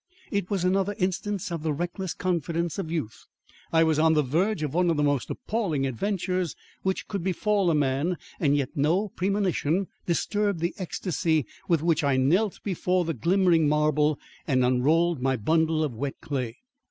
It was another instance of the reckless confidence of youth. I was on the verge of one of the most appalling adventures which could befall a man, and yet no premonition disturbed the ecstasy with which I knelt before the glimmering marble and unrolled my bundle of wet clay.